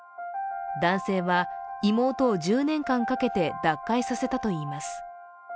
男性は妹を１０年間かけて、脱会させたといいます。